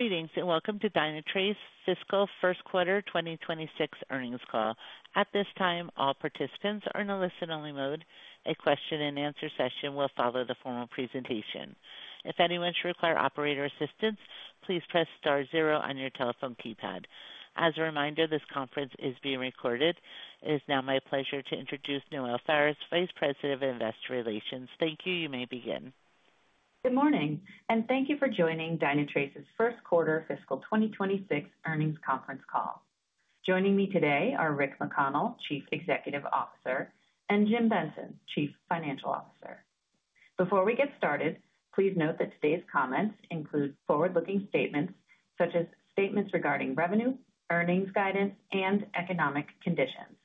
Greetings and welcome to Dynatrace fiscal first quarter 2026 earnings call. At this time, all participants are in a listen only mode. A question-and-answer session will follow the formal presentation. If anyone should require operator assistance, please press Star zero on your telephone keypad. As a reminder, this conference is being recorded. It is now my pleasure to introduce Noelle Faris, Vice President of Investor Relations. Thank you. You may begin. Good morning and thank you for joining Dynatrace's first quarter fiscal 2026 earnings conference call. Joining me today are Rick McConnell, Chief Executive Officer, and Jim Benson, Chief Financial Officer. Before we get started, please note that today's comments include forward-looking statements such as statements regarding revenue, earnings guidance, and economic conditions.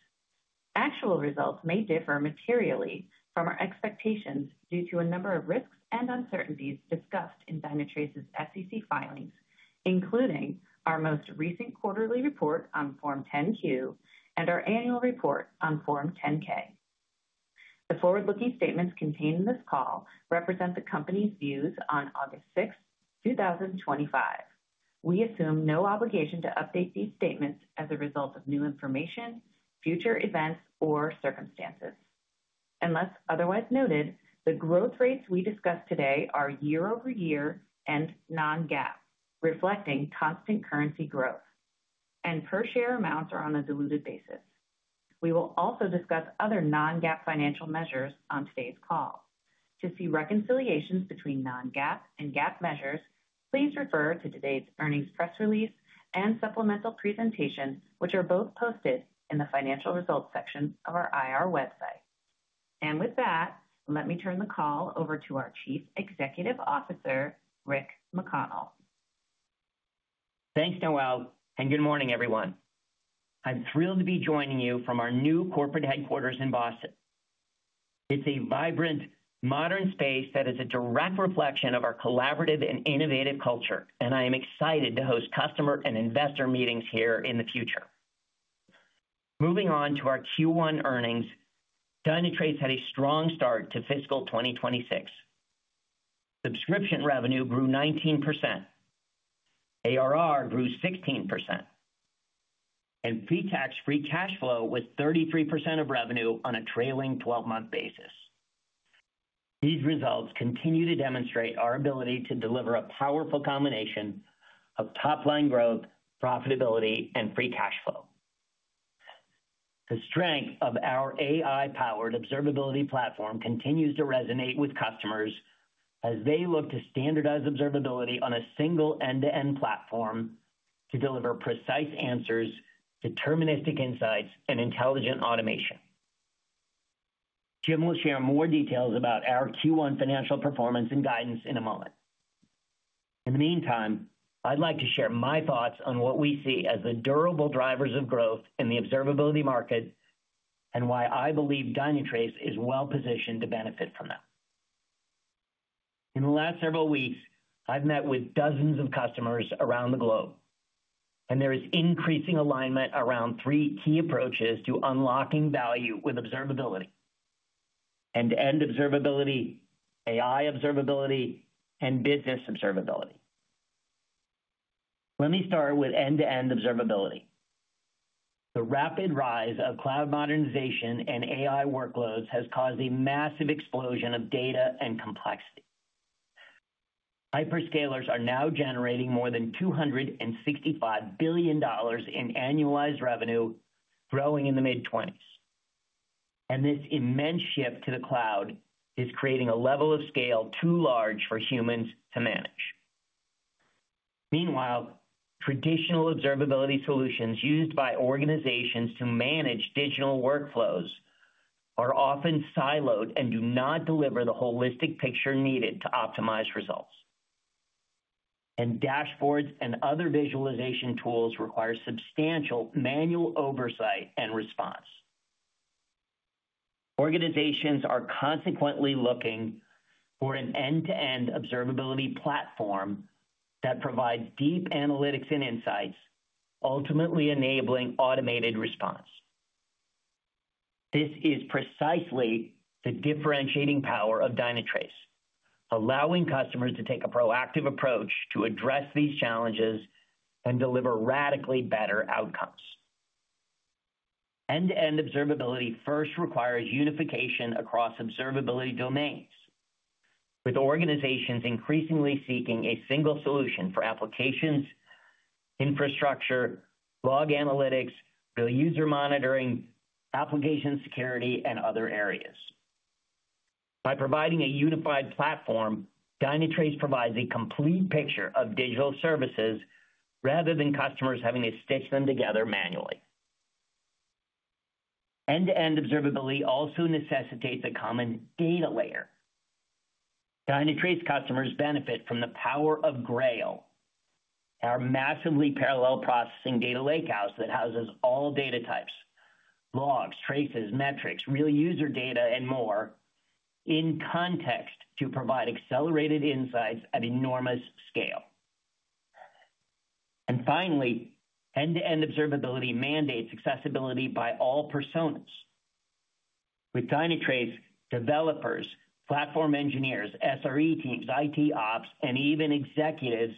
Actual results may differ materially from our expectations due to a number of risks and uncertainties discussed in Dynatrace's SEC filings, including our most recent quarterly report on Form 10-Q and our annual report on Form 10-K. The forward-looking statements contained in this call represent the company's views on August 6,th 2025. We assume no obligation to update these statements as a result of new information, future events, or circumstances. Unless otherwise noted, the growth rates we discuss today are year over year and non-GAAP, reflecting constant currency growth, and per share amounts are on a diluted basis. We will also discuss other non-GAAP financial measures on today's call. To see reconciliations between non-GAAP and GAAP measures, please refer to today's earnings press release and supplemental presentation, which are both posted in the Financial Results section of our IR website. With that, let me turn the call over to our Chief Executive Officer, Rick McConnell. Thanks Noelle and good morning everyone. I'm thrilled to be joining you from our new corporate headquarters in Boston. It's a vibrant, modern space that is a direct reflection of our collaborative and innovative culture, and I am excited to host customer and investor meetings here. Moving on to our Q1 earnings, Dynatrace had a strong start to fiscal 2026. Subscription revenue grew 19%, ARR grew 16%, and free cash flow was 33% of revenue on a trailing twelve-month basis. These results continue to demonstrate our ability to deliver a powerful combination of top line growth, profitability, and free cash flow. The strength of our AI-powered observability platform continues to resonate with customers as they look to standardize observability on a single end-to-end platform to deliver precise answers, deterministic insights, and intelligent automation. Jim will share more details about our Q1 financial performance and guidance in a moment. In the meantime, I'd like to share my thoughts on what we see as the durable drivers of growth in the observability market and why I believe Dynatrace is well positioned to benefit from them. In the last several weeks, I've met with dozens of customers around the globe, and there is increasing alignment around three key approaches to unlocking value with observability: end-to-end observability, AI observability, and business observability. Let me start with end-to-end observability. The rapid rise of cloud modernization and AI workloads has caused a massive explosion of data and complexity. Hyperscalers are now generating more than $265 billion in annualized revenue, growing in the mid-20s, and this immense shift to the cloud is creating a level of scale too large for humans to manage. Meanwhile, traditional observability solutions used by organizations to manage digital workflows are often siloed and do not deliver the holistic picture needed to optimize results, and dashboards and other visualization tools require substantial manual oversight and response. Organizations are consequently looking for an end-to-end observability platform that provides deep analytics and insights, ultimately enabling automated response. This is precisely the differentiating power of Dynatrace, allowing customers to take a proactive approach to address these challenges and deliver radically better outcomes. End-to-end observability first requires unification across observability domains, with organizations increasingly seeking a single solution for applications, infrastructure, log analytics, real user monitoring, application security, and other areas. By providing a unified platform, Dynatrace provides a complete picture of digital services rather than customers having to stitch them together manually. End-to-end observability also necessitates a common data layer, Dynatrace. Customers benefit from the power of Grail, our massively parallel processing data lakehouse that houses all data types, logs, traces, metrics, real user data, and more in context to provide accelerated insights at enormous scale. Finally, end-to-end observability mandates accessibility by all personas. With Dynatrace, developers, platform engineers, SRE teams, IT ops, and even executives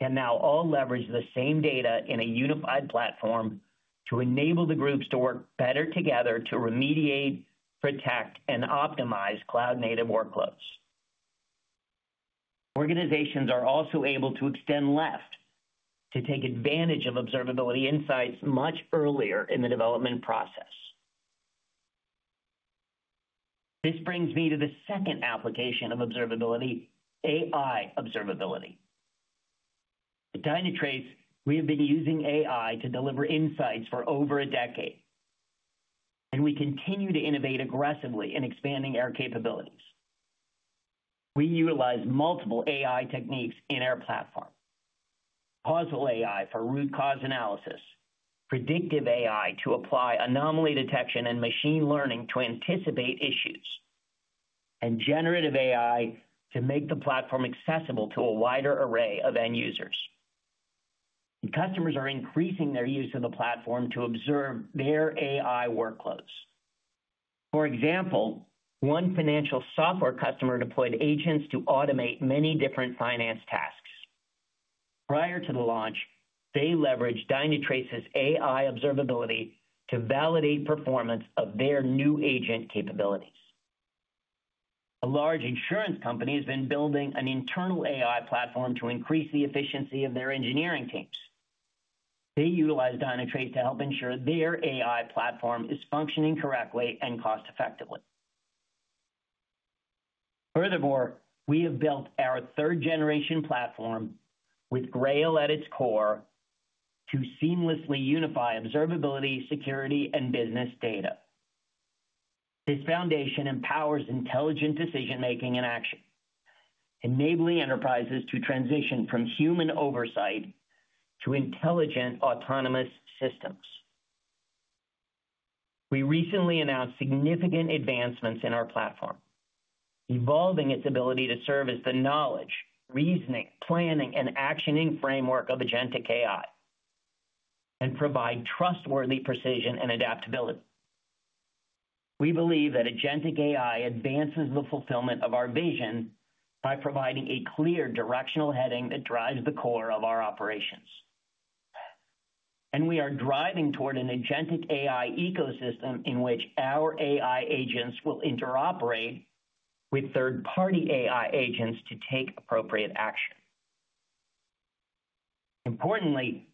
can now all leverage the same data in a unified platform to enable the groups to work better together to remediate, protect, and optimize cloud-native workloads. Organizations are also able to extend left to take advantage of observability insights much earlier in the development process. This brings me to the second application of observability, AI observability. At Dynatrace, we have been using AI to deliver insights for over a decade and we continue to innovate aggressively in expanding our capabilities. We utilize multiple AI techniques in our platform: causal AI for root cause analysis, predictive AI to apply anomaly detection and machine learning to anticipate issues, and generative AI to make the platform accessible to a wider array of end users. Customers are increasing their use of the platform to observe their AI workloads. For example, one financial software customer deployed agents to automate many different finance tasks prior to the launch. They leveraged Dynatrace's AI observability to validate performance of their new agent capabilities. A large insurance company has been building an internal AI platform to increase the efficiency of their engineering teams. They utilize Dynatrace to help ensure their AI platform is functioning correctly and cost effectively. Furthermore, we have built our third-generation platform with Grail at its core to seamlessly unify observability, security, and business data. This foundation empowers intelligent decision making and action, enabling enterprises to transition from human oversight to intelligent autonomous systems. We recently announced significant advancements in our platform, evolving its ability to serve as the knowledge reasoning, planning, and actioning framework of Agentic AI and provide trustworthy precision and adaptability. We believe that Agentic AI advances the fulfillment of our vision by providing a clear directional heading that drives the core of our operations. We are driving toward an agentic AI ecosystem in which our AI agents will interoperate with third-party AI agents to take appropriate action. Importantly,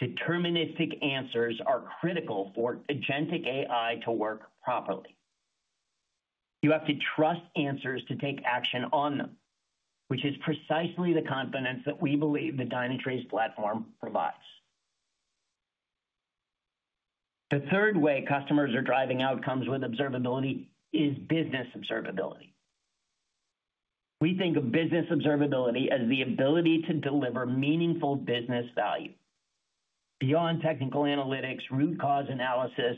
deterministic answers are critical for agentic AI to work properly. You have to trust answers to take action on them, which is precisely the confidence that we believe the Dynatrace platform provides. The third way customers are driving outcomes with observability is business observability. We think of business observability as the ability to deliver meaningful business value beyond technical analytics, root cause analysis,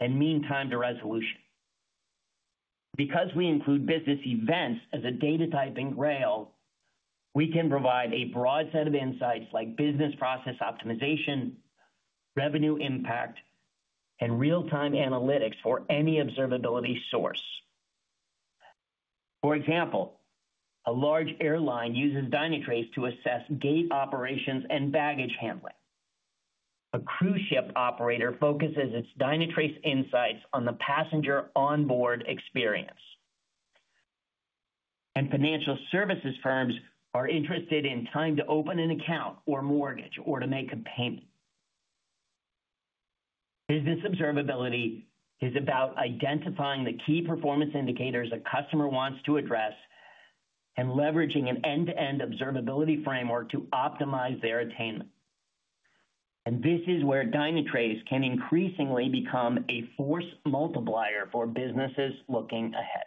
and mean time to resolution. Because we include business events as a data type in Grail, we can provide a broad set of insights like business process optimization, revenue impact, and real-time analytics for any observability source. For example, a large airline uses Dynatrace to assess gate operations and baggage handling. A cruise ship operator focuses its Dynatrace insights on the passenger onboard experience and Financial services firms are interested in trying to open an account or mortgage or to make a penny. Business observability is about identifying the key performance indicators a customer wants to address and leveraging an end-to-end observability framework to optimize their attainment. This is where Dynatrace can increasingly become a force multiplier for businesses looking ahead.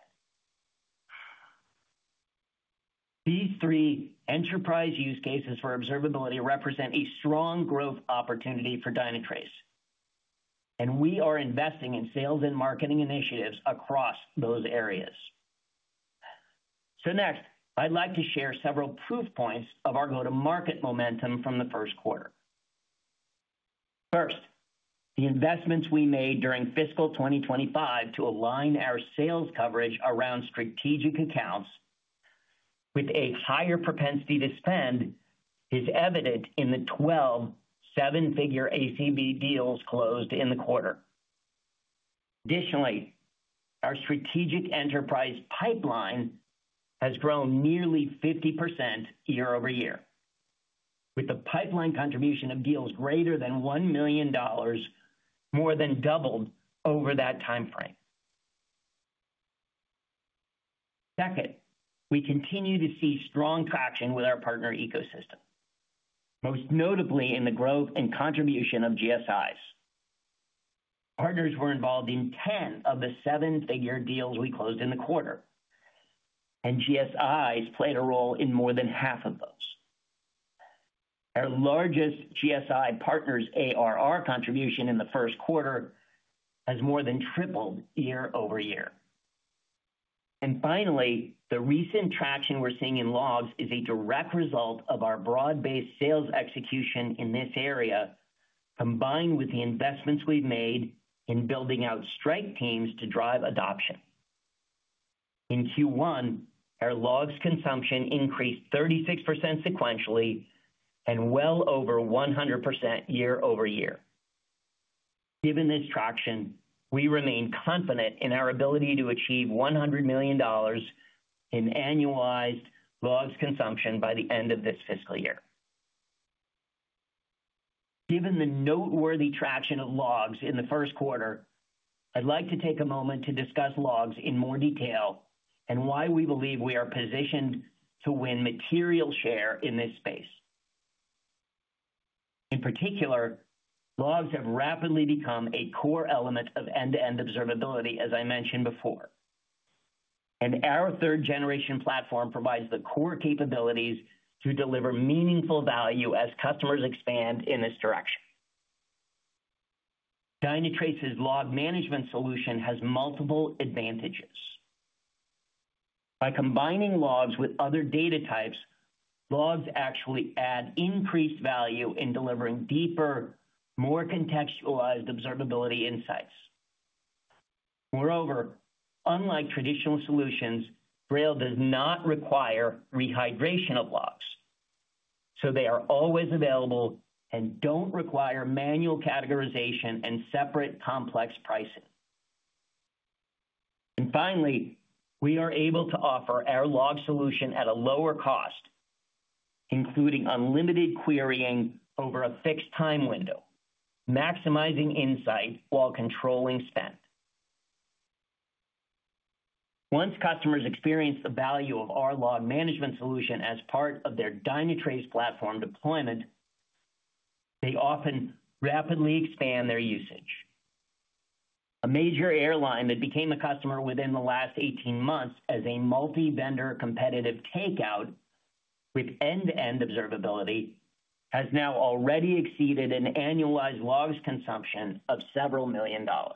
These three enterprise use cases for observability represent a strong growth opportunity for Dynatrace, and we are investing in sales and marketing initiatives across those areas. Next, I'd like to share several proof points of our go-to-market momentum from the first quarter. First, the investments we made during fiscal 2025 to align our sales coverage around strategic accounts with a higher propensity to spend is evident in the 127 figure ACB deals closed in the quarter. Additionally, our strategic enterprise pipeline has grown nearly 50% year-over-year, with the pipeline contribution of deals greater than $1 million more than doubled over that time frame. Second, we continue to see strong traction with our partner ecosystem, most notably in the growth and contribution of GSIs. Partners were involved in 10 of the seven-figure deals we closed in the quarter, and GSIs played a role in more than half of those. Our largest GSI partners' ARR contribution in the first quarter has more than tripled year over year. Finally, the recent traction we're seeing in logs is a direct result of our broad-based sales execution in this area. Combined with the investments we've made in building out strike teams to drive adoption in Q1, our logs consumption increased 36% sequentially and well over 100% year-over-year. Given this traction, we remain confident in our ability to achieve $100 million in annualized logs consumption by the end of this fiscal year. Given the noteworthy traction of logs in the first quarter, I'd like to take a moment to discuss logs in more detail and why we believe we are positioned to win material share in this space. In particular, logs have rapidly become a core element of end-to-end observability as I mentioned before, and our third-generation platform provides the core capabilities to deliver meaningful value as customers expand in this direction. Dynatrace's log management solution has multiple advantages. By combining logs with other data types, logs actually add increased value in delivering deeper, more contextualized observability insights. Moreover, unlike traditional solutions, Grail does not require rehydration of logs, so they are always available and don't require manual categorization and separate complex pricing. Finally, we are able to offer our log solution at a lower cost, including unlimited querying over a fixed time window, maximizing insight while controlling spend. Once customers experience the value of our log management solution as part of their Dynatrace platform deployment, they often rapidly expand their usage. A major airline that became a customer within the last 18 months as a multi-vendor competitive takeout with end-to-end observability has now already exceeded an annualized logs consumption of several million dollars.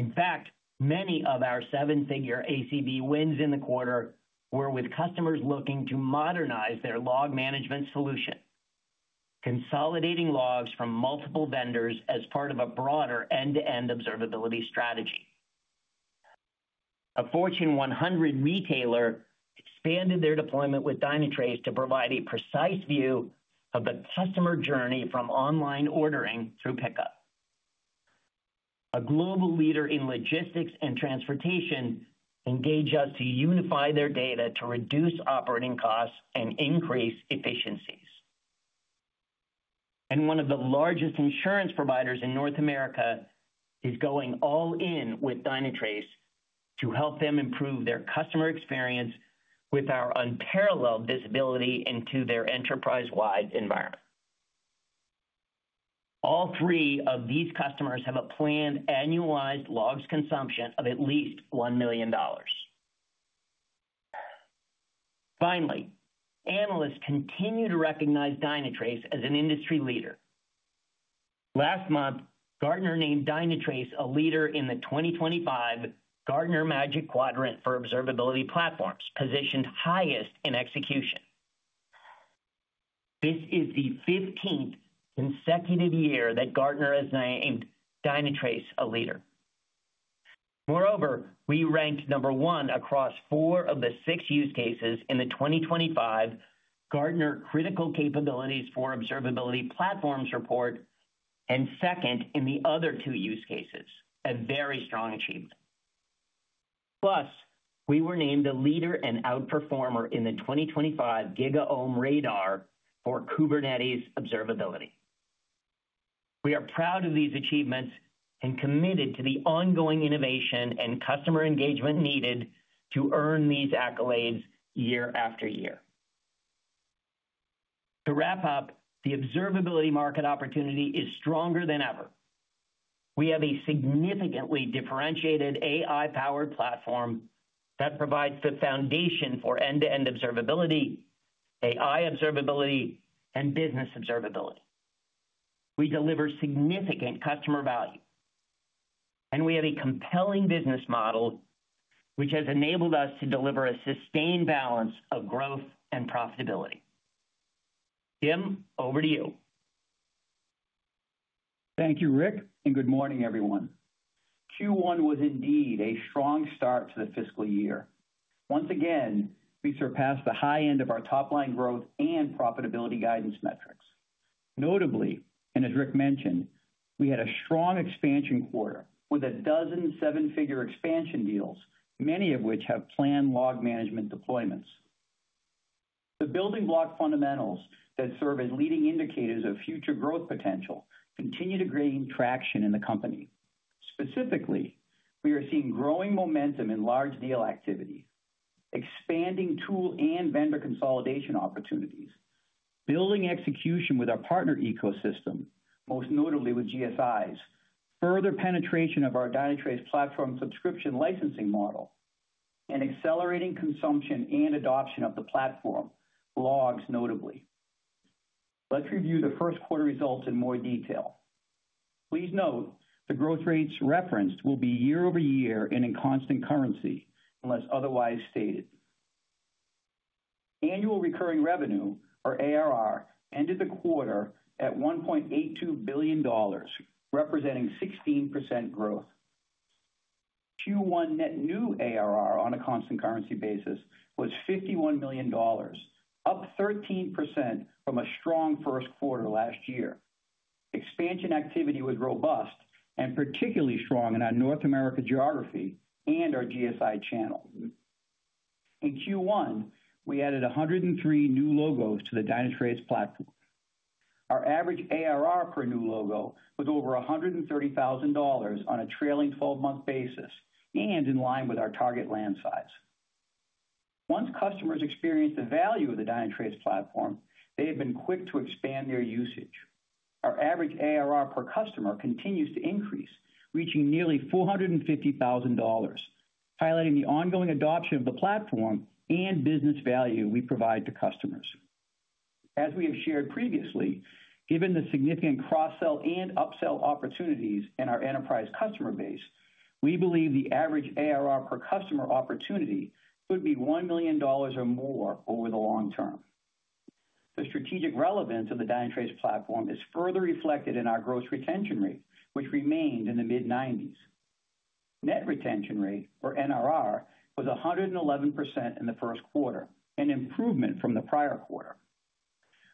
In fact, many of our seven-figure ACB wins in the quarter were with customers looking to modernize their log management solution, consolidating logs from multiple vendors as part of a broader end-to-end observability strategy. A Fortune 100 retailer expanded their deployment with Dynatrace to provide a precise view of the customer journey from online ordering through pickup. A global leader in logistics and transportation engaged us to unify their data to reduce operating costs and increase efficiencies, and one of the largest insurance providers in North America is going all in with Dynatrace to help them improve their customer experience with our unparalleled visibility into their enterprise-wide environment. All three of these customers have a planned annualized logs consumption of at least $1 million. Analysts continue to recognize Dynatrace as an industry leader. Last month, Gartner named Dynatrace a leader in the 2025 Gartner Magic Quadrant for observability platforms, positioned highest in execution. This is the 15th consecutive year that Gartner has named Dynatrace a leader. Moreover, we ranked number one across four of the six use cases in the 2025 Gartner Critical Capabilities for Observability Platforms report and second in the other two use cases, very strong achievements. We were named a leader and outperformer in the 2025 GigaOm Radar for Kubernetes Observability. We are proud of these achievements and committed to the ongoing innovation and customer engagement needed to earn these accolades year after year. To wrap up, the observability market opportunity is stronger than ever. We have a significantly differentiated AI-powered platform that provides the foundation for end-to-end observability, AI observability, and business observability. We deliver significant customer value, and we have a compelling business model which has enabled us to deliver a sustained balance of growth and profitability. Jim, over to you. Thank you, Rick, and good morning, everyone. Q1 was indeed a strong start to the fiscal year. Once again, we surpassed the high end of our top line growth and profitability guidance metrics. Notably, and as Rick mentioned, we had a strong expansion quarter with a dozen seven-figure expansion deals, many of which have planned log management deployments. The building block fundamentals that serve as leading indicators of future growth potential continue to gain traction in the company. Specifically, we are seeing growing momentum in large deal activity, expanding tool and vendor consolidation opportunities, building execution with our partner ecosystem, most notably with GSIs, further penetration of our Dynatrace Platform Subscription licensing model, and accelerating consumption and adoption of the platform logs, notably. Let's review the first quarter results in more detail. Please note the growth rates referenced will be year over year and in constant currency unless otherwise stated. Annual recurring revenue, or ARR, ended the quarter at $1.82 billion, representing 16% growth. Q1 net new ARR on a constant currency basis was $51 million, up 13% from a strong first quarter last year. Expansion activity was robust and particularly strong in our North America geography and our GSI channel. In Q1, we added 103 new logos to the Dynatrace platform. Our average ARR per new logo was over $130,000 on a trailing twelve-month basis and in line with our target land size. Once customers experience the value of the Dynatrace platform, they have been quick to expand their usage. Our average ARR per customer continues to increase, reaching nearly $450,000, highlighting the ongoing adoption of the platform and business value we provide to customers. As we have shared previously, given the significant cross-sell and upsell opportunities in our enterprise customer base, we believe the average ARR per customer opportunity would be $1 million or more over the long term. The strategic relevance of the Dynatrace platform is further reflected in our gross retention rate, which remained in the mid-90%. Net retention rate, or NRR, was 111% in the first quarter, an improvement from the prior quarter.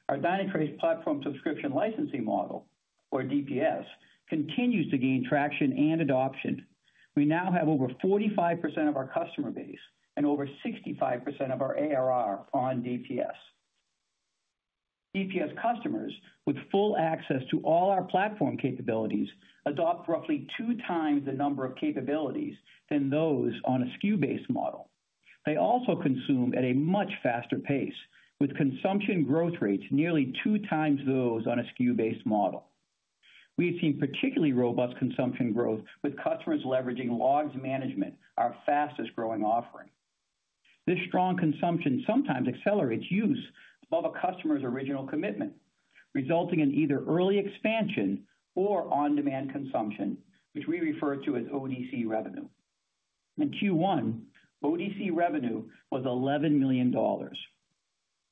Our Dynatrace Platform Subscription licensing model, or DPS, continues to gain traction and adoption. We now have over 45% of our customer base and over 65% of our ARR on DPS. DPS customers with full access to all our platform capabilities adopt roughly 2x the number of capabilities than those on a SKU-based model. They also consume at a much faster pace, with consumption growth rates nearly two times those on a SKU-based model. We've seen particularly robust consumption growth with customers leveraging log management, our fastest growing offering. This strong consumption sometimes accelerates use above a customer's original commitment, resulting in either early expansion or on-demand consumption, which we refer to as ODC revenue. In Q1, ODC revenue was $11 million.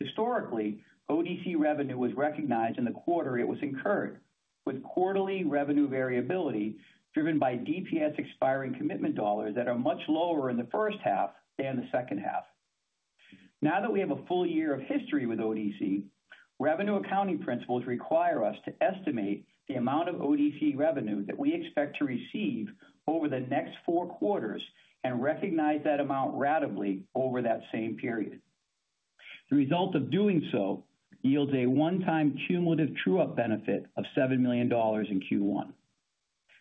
Historically, ODC revenue was recognized in the quarter it was incurred, with quarterly revenue variability driven by DPS expiring commitment dollars that are much lower in the first half than the second half. Now that we have a full year of history with ODC revenue, accounting principles require us to estimate the amount of ODC revenue that we expect to receive over the next four quarters and recognize that amount ratably over that same period. The result of doing so yields a one-time cumulative true-up benefit of $7 million in Q1.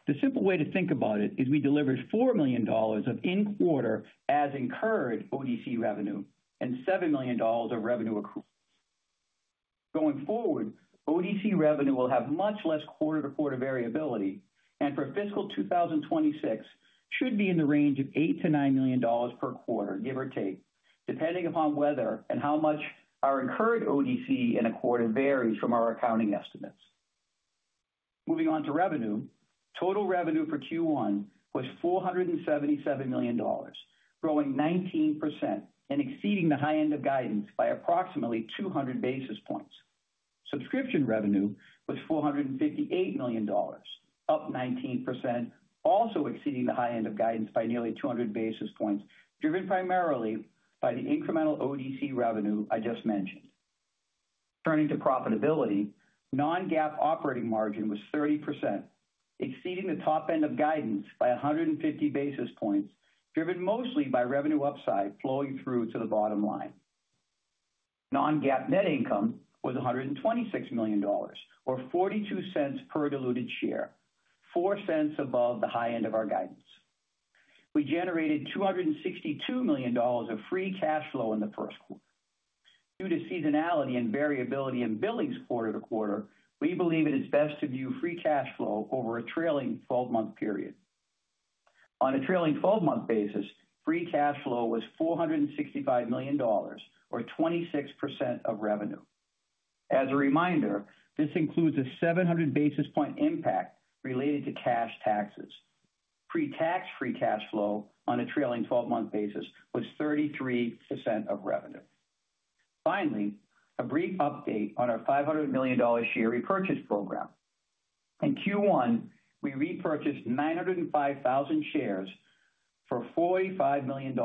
The simple way to think about it is we delivered $4 million of in-quarter as-incurred ODC revenue and $7 million of revenue accrued. Going forward, ODC revenue will have much less quarter-to-quarter variability, and for fiscal 2026 should be in the range of $8 million-$9 million per quarter, give or take depending upon whether and how much our incurred ODC in a quarter varies from our accounting estimates. Moving on to revenue, total revenue for Q1 was $477 million, growing 19% and exceeding the high end of guidance by approximately 200 basis points. Subscription revenue was $458 million, up 19%, also exceeding the high end of guidance by nearly 200 basis points, driven primarily by the incremental ODC revenue I just mentioned. Turning to profitability, non-GAAP operating margin was 30%, exceeding the top end of guidance by 150 basis points, driven mostly by revenue upside flowing through to the bottom line. Non-GAAP net income was $126 million or $0.42 per diluted share, $0.04 above the high end of our guidance. We generated $262 million of free cash flow in the first quarter. Due to seasonality and variability in billings quarter to quarter, we believe that it's best to view free cash flow over a trailing 12-month period. On a trailing twelve-month basis, free cash flow was $465 million or 26% of revenue. As a reminder, this includes a 700 basis point impact related to cash taxes. Pre-tax free cash flow on a trailing twelve-month basis was 33% of revenue. Finally, a brief update on our $500 million share repurchase program. In Q1 we repurchased 905,000 shares for $45 million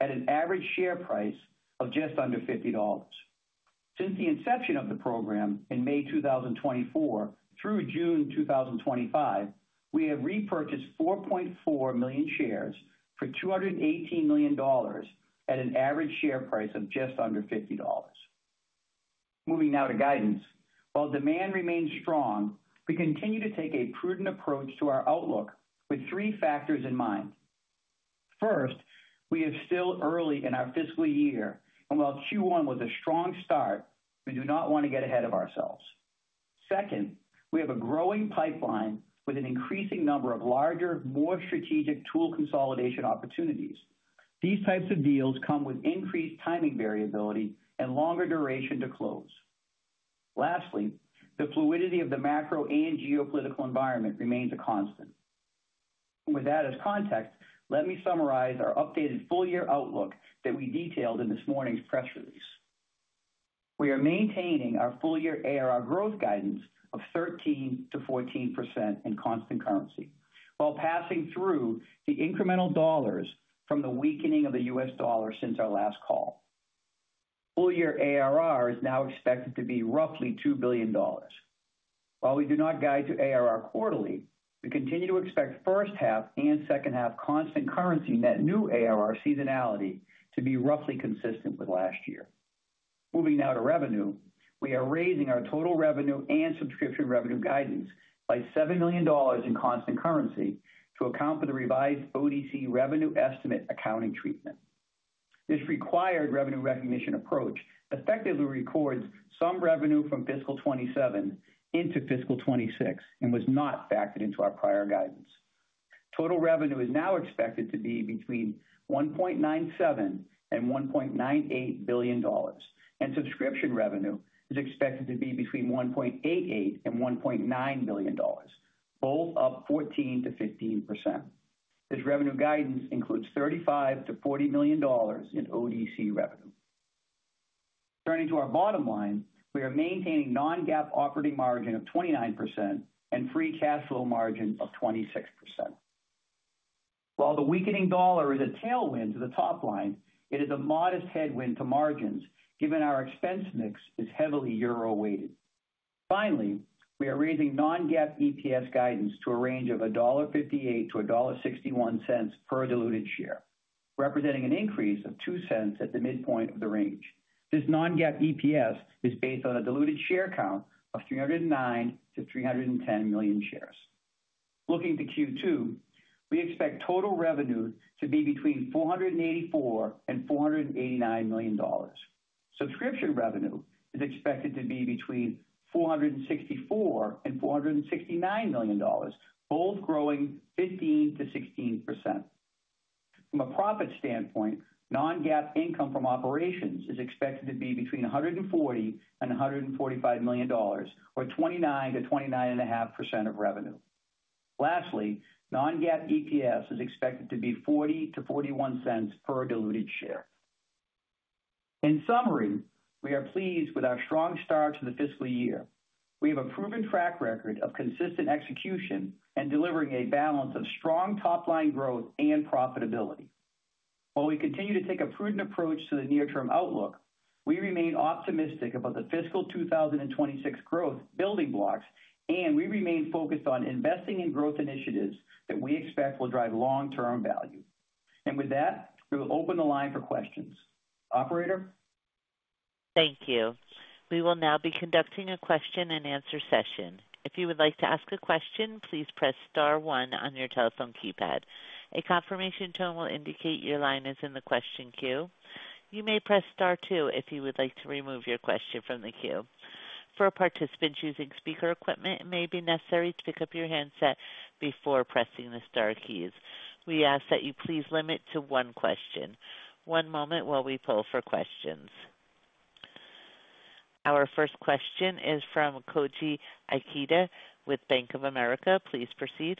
at an average share price of just under $50. Since the inception of the program in May 2024 through June 2025, we have repurchased 4.4 million shares for $218 million at an average share price of just under $50. Moving now to guidance, while demand remains strong, we continue to take a prudent approach to our outlook with three factors in mind. First, we are still early in our fiscal year and while Q1 was a strong start, we do not want to get ahead of ourselves. Second, we have a growing pipeline with an increasing number of larger, more strategic tool consolidation opportunities. These types of deals come with increased timing variability and longer duration to close. Lastly, the fluidity of the macro and geopolitical environment remains a constant. With that as context, let me summarize our updated full-year outlook that we detailed in this morning's press release. We are maintaining our full-year ARR growth guidance of 13%-14% in constant currency while passing through the incremental dollars from the weakening of the U.S. Dollar since our last call. Full-year ARR is now expected to be roughly $2 billion. While we do not guide to ARR quarterly, we continue to expect first half and second half constant currency net new ARR seasonality to be roughly consistent with last year. Moving now to revenue, we are raising our total revenue and subscription revenue guidance by $7 million in constant currency to account for the revised ODC revenue estimate accounting treatment. This required revenue recognition approach effectively records some revenue from fiscal 2027 into fiscal 2026 and was not factored into our prior guidance. Total revenue is now expected to be between $1.97 billion and $1.98 billion and subscription revenue is expected to be between $1.88 billion and $1.9 billion, both up 14%-15%. This revenue guidance includes $35 million-$40 million in ODC revenue. Turning to our bottom line, we are maintaining non-GAAP operating margin of 29% and free cash flow margin of 26%. While the weakening dollar is a tailwind to the top line, it is a modest headwind to margins given our expense mix is heavily euro weighted. Finally, we are raising non-GAAP EPS guidance to a range of $1.58-$1.61 for a diluted share, representing an increase of $0.02 at the midpoint of the range. This non-GAAP EPS is based on a diluted share count of 309-310 million shares. Looking to Q2, we expect total revenue to be between $484 million and $489 million. Subscription revenue is expected to be between $464 million and $469 million, both growing 15%-16%. From a profit standpoint, non-GAAP income from operations is expected to be between $140 million and $145 million, or 29%-29.5% of revenue. Lastly, non-GAAP EPS is expected to be $0.40-$0.41 per diluted share. In summary, we are pleased with our strong start to the fiscal year. We have a proven track record of consistent execution and delivering a balance of strong top line growth and profitability. While we continue to take a prudent approach to the near term outlook, we remain optimistic about the fiscal 2026 growth building blocks, and we remain focused on investing in growth initiatives that we expect will drive long term value. With that, we will open the line for questions. Operator, thank you. We will now be conducting a question-and-answer session. If you would like to ask a question, please press Star one on your telephone keypad. A confirmation tone will indicate your line is in the question queue. You may press Star two if you would like to remove your question from the queue. For participants using speaker equipment, it may be necessary to pick up your handset before pressing the star keys. We ask that you please limit to one question. One moment while we poll for questions. Our first question is from Koji Ikeda with Bank of America. Please proceed.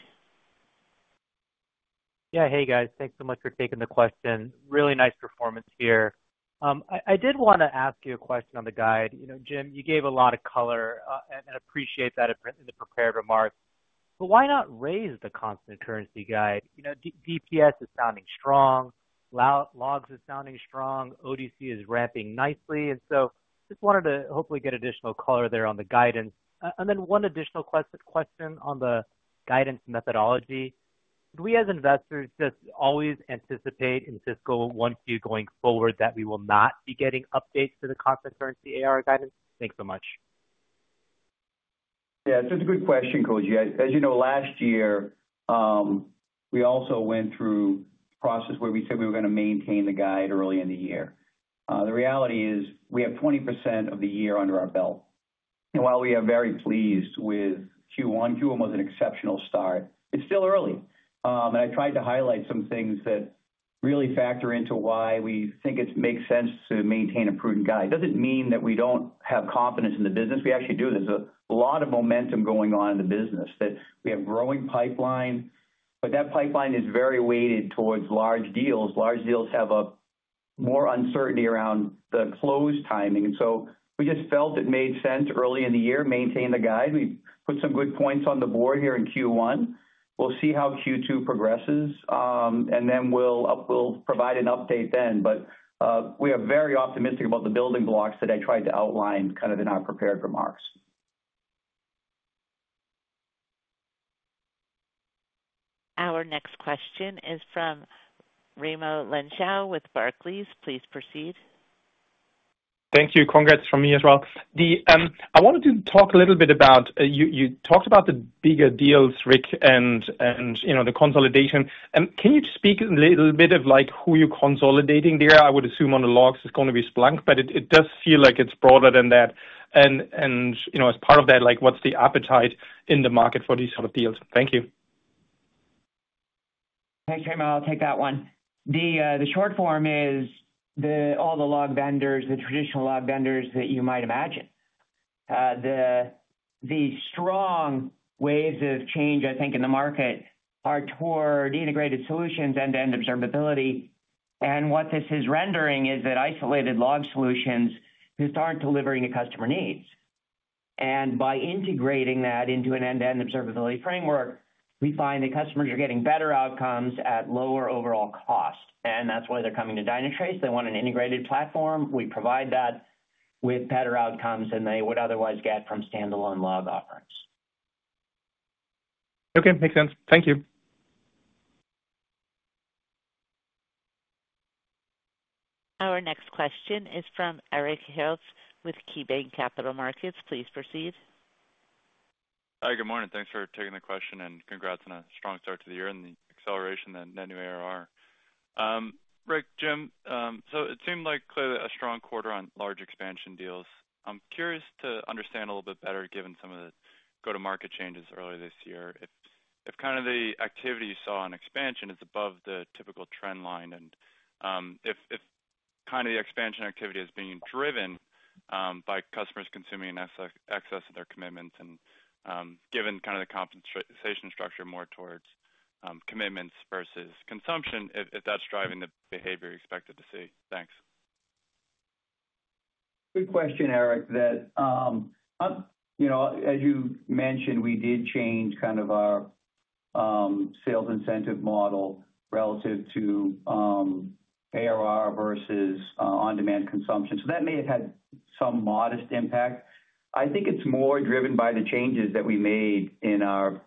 Yeah, hey guys, thanks so much for taking the question. Really nice performance here. I did want to ask you a question on the guide. You know, Jim, you gave a lot of color and appreciate that in the prepared remarks, but why not raise the constant currency guide? You know, DPS is sounding strong, logs is sounding strong. ODC is ramping nicely and just wanted to hopefully get additional color there on the guidance. One additional question on the guidance methodology. Do we as investors just always anticipate in fiscal Q1 going forward that we will not be getting updates to the constant currency ARR guidance? Thanks so much. Yeah, it's a good question, Koji. As you know, last year we also went through a process where we said we were going to maintain the guide early in the year. The reality is we have 20% of the year under our belt and while we are very pleased with Q1, Q1 was an exceptional start. It's still early and I tried to highlight some things that really factor into why we think it makes sense to maintain a prudent guide. It doesn't mean that we don't have confidence in the business. We actually do. There's a lot of momentum going on in the business, we have a growing pipeline, but that pipeline is very weighted towards large deals. Large deals have more uncertainty around the close timing and we just felt it made sense early in the year to maintain the guide. We put some good points on the board here in Q1. We'll see how Q2 progresses and then we'll provide an update then. We are very optimistic about the building blocks that I tried to outline in our prepared remarks. Our next question is from Raimo Lenschow with Barclays. Please proceed, thank you. Congrats from me as well. I wanted to talk a little bit about, you talked about the bigger deals, Rick, and you know, the consolidation. Can you speak a little bit of like who you are consolidating there? I would assume on the logs it's going to be Splunk, but it does feel like it's broader than that. As part of that, what's the appetite in the market for these sort of deals? Thank you. Thanks Raimo. I'll take that one. The short form is all the log vendors, the traditional log vendors that you might imagine. The strong waves of change, I think, in the market are toward integrated solutions, end-to-end observability. What this is rendering is that isolated log solutions just aren't delivering a customer needs. By integrating that into an end-to-end observability framework, we find that customers are getting better outcomes at lower overall cost. That's why they're coming to Dynatrace. They want an integrated platform. We provide that with better outcomes than they would otherwise get from standalone log offerings. Okay, makes sense. Thank you. Our next question is from Eric Heath with KeyBanc Capital Markets. Please proceed. Hi, good morning. Thanks for taking the question and congrats on a strong start to the year and the acceleration in net new ARR. Rick, Jim, it seemed like clearly a strong quarter on large expansion deals. I'm curious to understand a little bit better given some of the go-to-market changes earlier this year if the activity you saw on expansion is above the typical trend line and if the expansion activity is being driven by customers consuming in excess of their commitments. Given the compensation structure more towards commitments versus consumption, if that's driving the behavior you expected to see. Thanks. Good question, Eric. As you mentioned, we did change our sales incentive model relative to ARR versus on-demand consumption. That may have had some modest impact.I think it's more driven by the changes that we made in our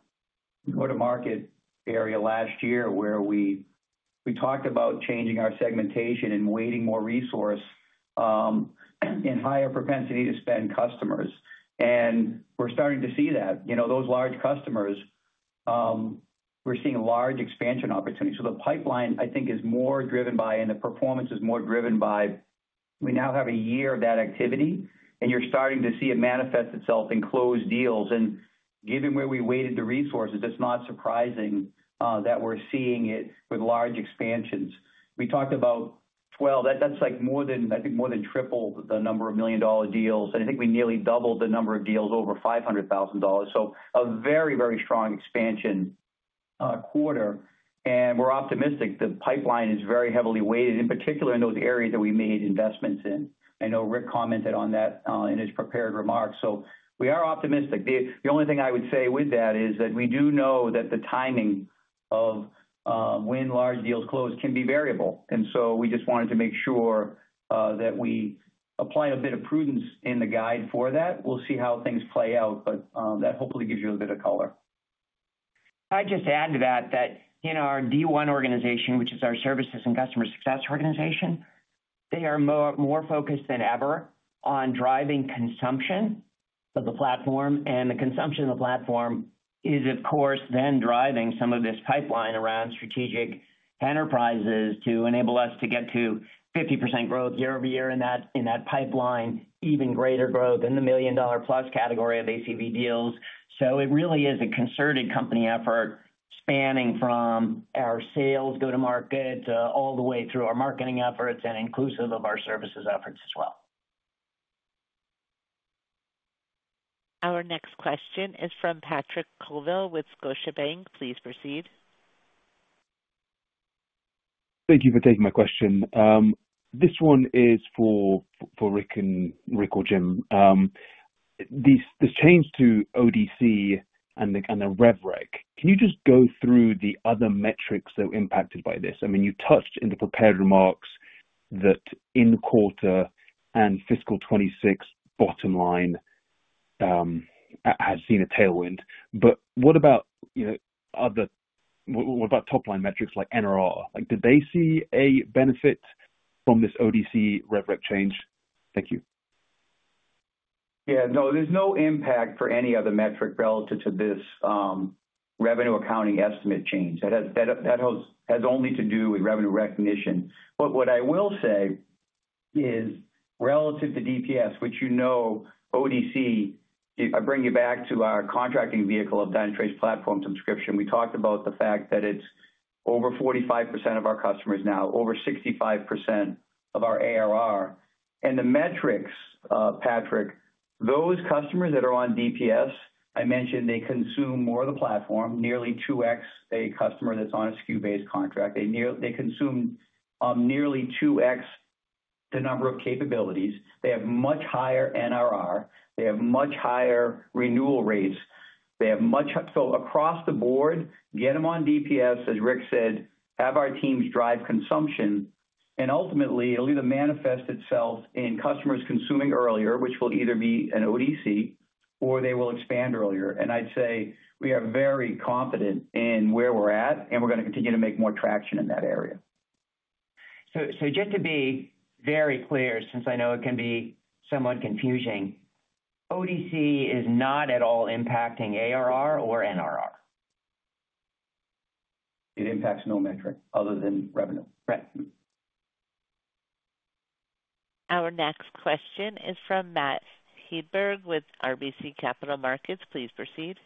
go-to-market area last year where we talked about changing our segmentation and weighting more resource in higher propensity to spend customers. We're starting to see that those large customers, we're seeing large expansion opportunities. The pipeline, I think, is more driven by and the performance is more driven by the fact that we now have a year of that activity and you're starting to see it manifest itself in closed deals. Given where we weighted the resources, it's not surprising that we're seeing it with large expansions. We talked about more than, I think, more than tripled the number of million dollar deals and I think we nearly doubled the number of deals over $500,000. A very, very strong expansion quarter. We're optimistic. The pipeline is very heavily weighted. In particular, I know the area that we made investments in. I know Rick commented on that in his prepared remarks. We are optimistic. The only thing I would say with that is that we do know that the timing of when large deals close can be variable. We just wanted to make sure that we apply a bit of prudence in the guide for that. We'll see how things play out. That hopefully gives you a bit of color. I'd just add to that in our D1 organization, which is our services and customer success organization, they are more focused than ever on driving consumption of the platform. The consumption of the platform is of course then driving some of this pipeline around strategic enterprises to enable us to get to 50% growth year-over-year in that pipeline, even greater growth in the million dollar plus category of ACV deals. It really is a concerted company effort spanning from our sales go-to-market all the way through our marketing efforts and inclusive of our services efforts as well. Our next question is from Patrick Colville with Scotiabank. Please proceed. Thank you for taking my question. This one is for Rick or Jim. This change to ODC and the revrec. Can you just go through the other metrics that were impacted by this? I mean you touched in the prepared remarks that in quarter and fiscal 2026, bottom line has seen a tailwind. What about other, what about top line metrics like NRR? Like did they see a benefit from this ODC revrec change? Thank you. Yeah, no, there's no impact for any other metric relative to this revenue accounting estimate change that has only to do with revenue recognition. What I will say is relative to DPS, which, you know, ODC, I bring you back to our contracting vehicle of Dynatrace Platform Subscription. We talked about the fact that it's over 45% of our customers now, over 65% of our ARR. The metrics, Patrick, those customers that are on DPS I mentioned, they consume more of the platform. Nearly 2x a customer that's on a SKU-based contract. They consume nearly 2x the number of capabilities. They have much higher NRR, they have much higher renewal rates. They have much, so across the board, get them on DPS as Rick said, have our teams drive consumption and ultimately it'll either manifest itself in customers consuming earlier, which will either be in ODC, or they will expand earlier. I'd say we are very confident in where we're at and we're going to continue to make more traction in that area. To be very clear, since I know it can be somewhat confusing, ODC is not at all impacting ARR or NRR. It impacts no metric other than revenue. Right. Our next question is from Matt Heberg with RBC Capital Markets. Please proceed.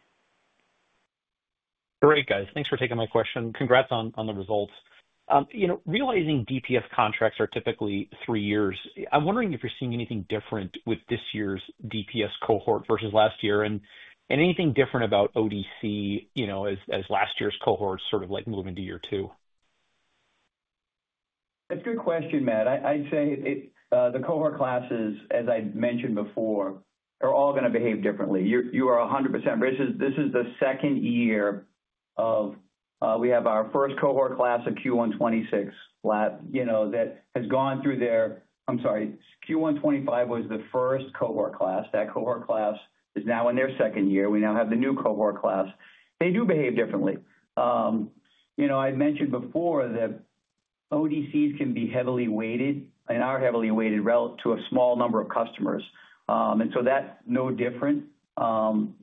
Great, guys. Thanks for taking my question. Congrats on the results. You know, realizing DPS contracts are typically three years, I'm wondering if you're seeing anything different with this year's DPS cohort versus last year and anything different about ODC, you know, as last year's cohorts sort of like move into year two? That's a good question, Matt. I'd say the cohort classes, as I mentioned before, are all going to behave differently. You are 100%. This is the second year of we have our first cohort class of Q1 2026 lab, you know, that has gone through there. I'm sorry, Q1 2025 was the first cohort class. That cohort class is now in their second year. We now have the new cohort class. They do behave differently. I mentioned before that ODCs can be heavily weighted, and are heavily weighted relative to a small number of customers. That's no different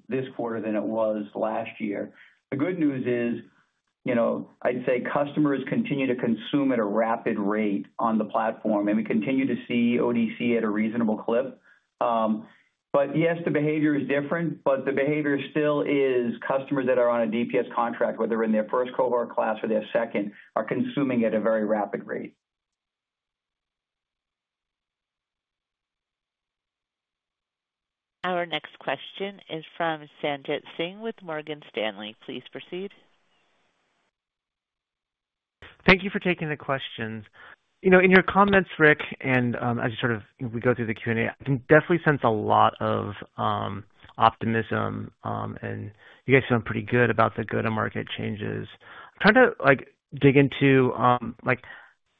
this quarter than it was last year. The good news is, I'd say customers continue to consume at a rapid rate on the platform and we continue to see ODC at a reasonable clip. Yes, the behavior is different, but the behavior still is customers that are on a DPS contract, whether in their first cohort class or their second, are consuming at a very rapid rate. Our next question is from Sanjit Singh with Morgan Stanley. Please proceed. Thank you for taking the questions. In your comments, Rick, as we go through the Q&A, I can definitely sense a lot of optimism and you. guys feel pretty good about the go-to-market changes. Trying to dig into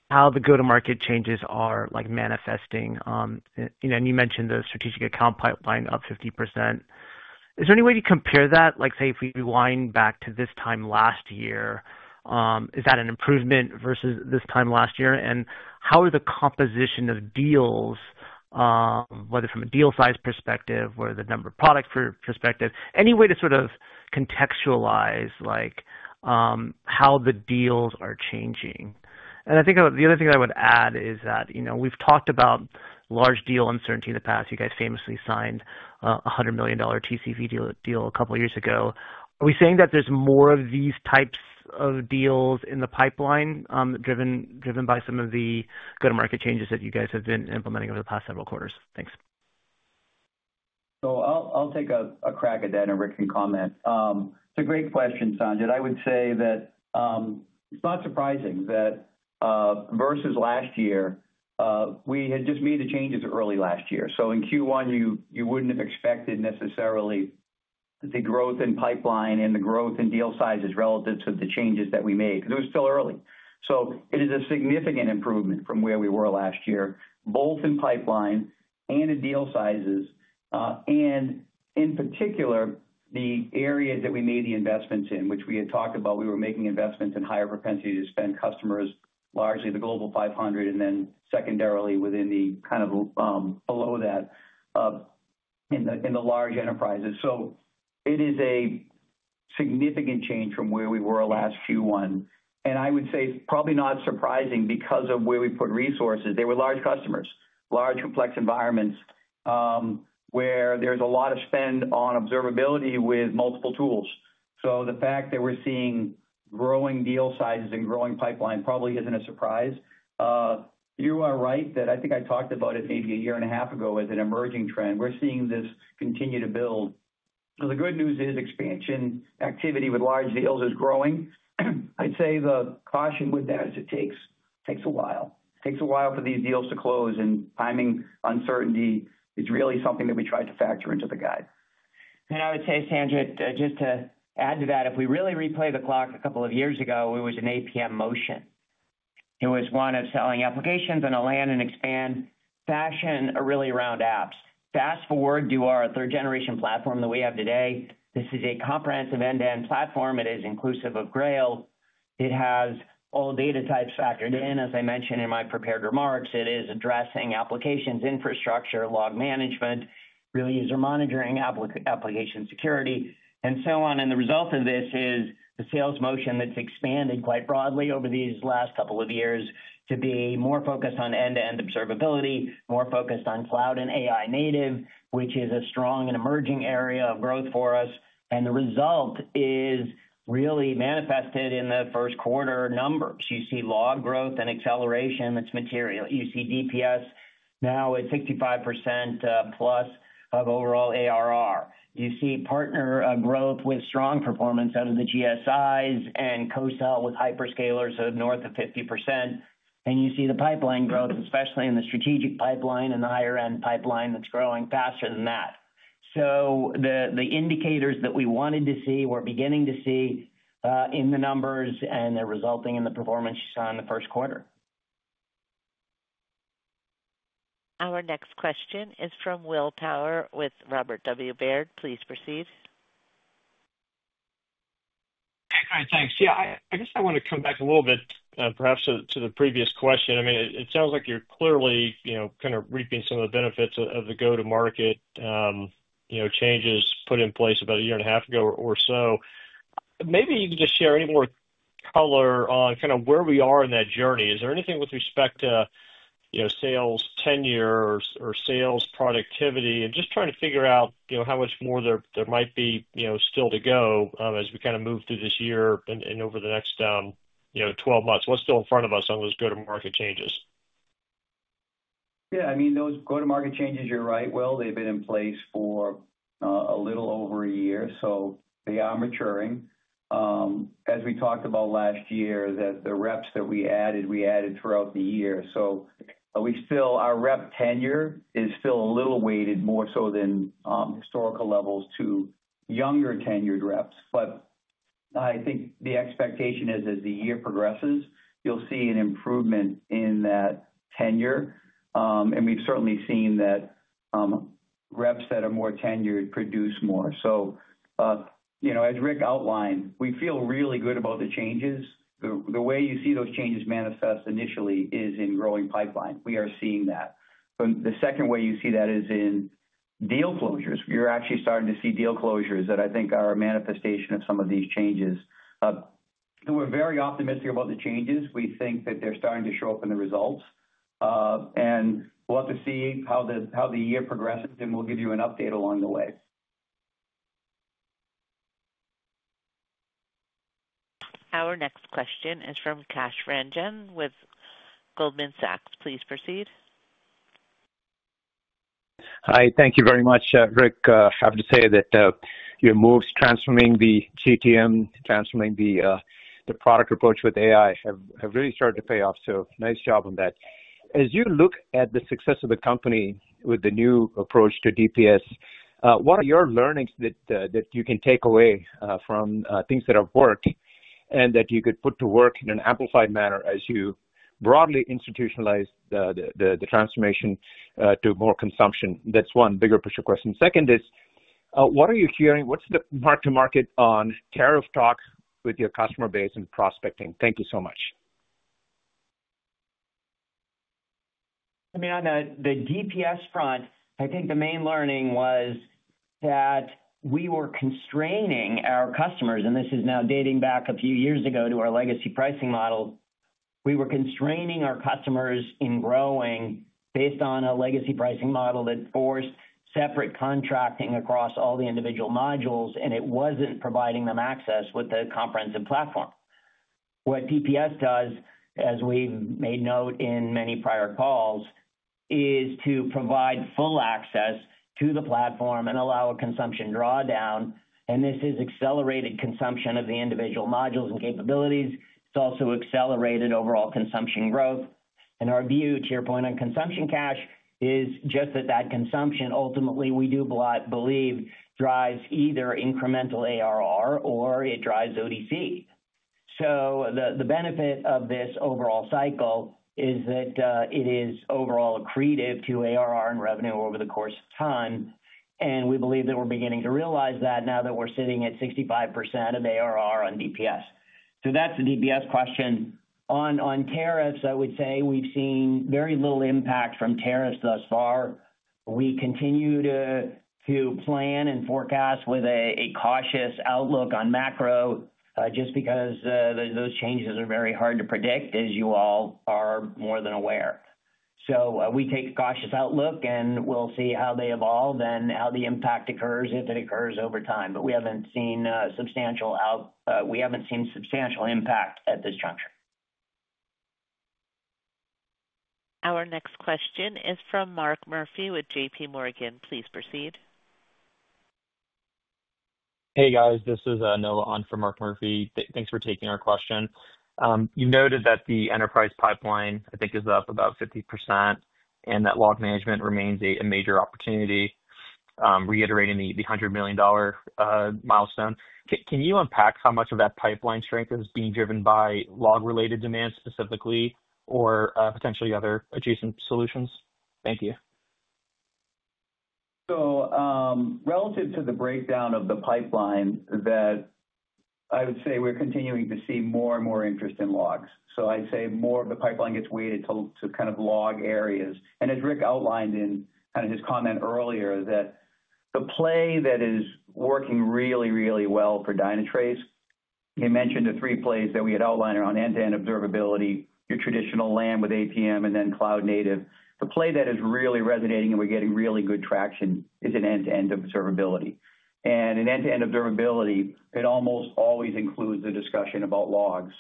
how the go-to-market changes are manifesting. You mentioned the strategic account pipeline up 50%. Is there any way to compare that? If we rewind back to this time last year, is that an improvement versus is time last year? How are the composition of deals? Whether from a deal size perspective or the number of product perspective, any way. To sort of contextualize how the deals are changing. I think the other thing I would add is that you know we've talked about large deal uncertainty in the past. You guys famously signed a $100 million TCV deal a couple years ago. Are we saying that there's more of these types of deals in the pipeline driven by some of the go-to-market strategy market changes that you guys have been implementing over the past several quarters? Thanks. I'll take a crack at that and Rick McConnell may comment. A great question, Sanjay. I would say that it's not surprising that versus last year, we had just made the changes early last year. In Q1, you wouldn't have expected necessarily the growth in pipeline and the growth in deal sizes relative to the changes that we made because it was still early. It is a significant improvement from where we were last year, both in pipeline and in deal sizes, and in particular the areas that we made the investments in, which we had talked about. We were making investments in higher propensity to spend customers, largely the Global 500, and then secondarily within the kind of below that in the large enterprises. It is a significant change from where we were last Q1, and I would say it's probably not surprising because of where we put resources. They were large customers, large complex environments where there's a lot of spend on observability with multiple tools. The fact that we're seeing growing deal sizes and growing pipeline probably isn't a surprise. You are right that I think I talked about it maybe a year and a half ago as an emerging trend. We're seeing this continue to build. The good news is expansion activity with large deals is growing. I'd say the caution with that is it takes a while. It takes a while for these deals to close, and timing uncertainty is really something that we tried to factor into the guide. I would say, Sandra, just to add to that, if we really replay the clock a couple of years ago, it was an APM motion. It was one of selling applications on a land and expand fashion really around apps. Fast forward to our third generation platform that we have today. This is a comprehensive end to end platform. It is inclusive of Grail, it has all data types factored in. As I mentioned in my prepared remarks, it is addressing applications, infrastructure, log management, real user monitoring, application security, and so on. The result of this is the sales motion that's expanded quite broadly over these last couple of years to be more focused on end to end observability, more focused on cloud and AI native, which is a strong and emerging area of growth for us. The result is really manifested in the first quarter numbers. You see log growth and acceleration. That's material. You see DPS now at 65%+ of overall ARR. You see partner growth with strong performance out of the GSI and co-sell with hyperscalers of north of 50%. You see the pipeline growth, especially in the strategic pipeline and the higher end pipeline that's growing faster than that. The indicators that we wanted to see, we're beginning to see in the numbers, and they're resulting in the performanc you saw in the first quarter. Our next question is from Will Power with Robert W. Baird. Please proceed. All right, thanks. I guess I want to come back a little bit perhaps to the previous question. I mean, it sounds like you're clearly kind of reaping some of the benefits of the go-to-market changes put in place about a year and a half ago or so. Maybe you can just share any more color on kind of where we are in that journey. Is there anything with respect to sales tenure or sales productivity and just trying to figure out how much more there might be still to go as we kind of move through this year and over the next 12 months, what's still in front of us on those go-to-market changes? Yeah, I mean those go-to-market changes, you're right, Will. They've been in place for a little over a year. They are maturing. As we talked about last year, the reps that we added, we added throughout the year. We still, our rep tenure is still a little weighted more so than historical levels to younger tenured reps. I think the expectation is as the year progresses, you'll see an improvement in that tenure. We've certainly seen that reps that are more tenured produce more. As Rick outlined, we feel really good about the changes. The way you see those changes manifest initially is in growing pipeline. We are seeing that. The second way you see that is in deal closures. You're actually starting to see deal closures that I think are a manifestation of some of these changes. We're very optimistic about the changes. We think that they're starting to show up in the results and we'll have to see how the year progresses. We'll give you an update along the way. Our next question is from Kash Rangan with Goldman Sachs. Please proceed. Hi. Thank you very much, Rick. Happy to say that your moves transforming the go-to-market strategy, transforming the product approach with AI have really started to pay off. Nice job on that. As you look at the success of the company with the new approach to Dynatrace Platform Subscription, what are your learnings that you can take away from things that have worked and that you could put to work in an amplified manner as you broadly institutionalize the transformation to more consumption? That's one bigger pusher question. Second is what are you hearing? What's the mark to market on tariff? Talk with your customer base and prospecting. Thank you so much. On the DPS front, I think the main learning was that we were constraining our customers and this is now dating back a few years ago to our legacy pricing model. We were constraining our customers in growing based on a legacy pricing model that forced separate contracting across all the individual modules, and it wasn't providing them access with the comprehensive platform. What DPS does, as we made note in many prior calls, is to provide full access to the platform and allow a consumption drawdown. This has accelerated consumption of the individual modules and capabilities. It's also accelerated overall consumption growth. Our view to your point on consumption cash is just that, that consumption ultimately we do believe drives either incremental ARR or it drives ODC. The benefit of this overall cycle is that it is overall accretive to ARR and revenue over the course of time. We believe that we're beginning to realize that now that we're sitting at 65% of ARR on DPS. That's the DPS question. On tariffs, I would say we've seen very little impact from tariffs thus far. We continue to plan and forecast with a cautious outlook on macro just because those changes are very hard to predict as you all are more than aware. We take a cautious outlook and we'll see how they evolve and how the impact occurs, if it occurs over time. We haven't seen substantial outcomes. We haven't seen substantial impact at this juncture. Our next question is from Mark Murphy with JPMorgan. Please proceed. Hey guys, this is Noah on from Mark Murphy. Thanks for taking our question. You noted that the enterprise pipeline, I think, is up about 50% and that log management remains a major opportunity. Reiterating the $100 million milestone, can you unpack how much of that pipeline strength is being driven by log-related demand specifically or potentially other adjacent solutions? Thank you. Relative to the breakdown of the pipeline, I would say we're continuing to see more and more interest in logs. I'd say more of the pipeline gets weighted to kind of log areas. As Rick outlined in his comment earlier, the play that is working really, really well for Dynatrace—you mentioned the three plays that we had outlined on end-to-end observability, your traditional land with APM, and then cloud native—the play that is really resonating and we're getting really good traction is end-to-end observability. In end-to-end observability, it almost always includes the discussion about logs.